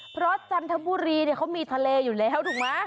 เพราะจันทบุรีเขามีทะเลอยู่แล้วถูกไหม